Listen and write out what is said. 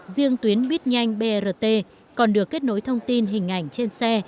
riêng tuyến buýt nhanh brt còn được kết nối thông tin hình ảnh trên xe